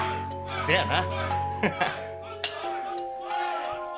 せやな。